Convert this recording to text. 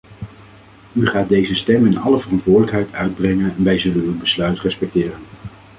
U gaat deze stem in alle verantwoordelijkheid uitbrengen en wij zullen uw besluit respecteren.